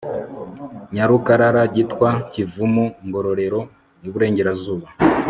Nyarukarara Gitwa KivumuNgororero Iburengerazuba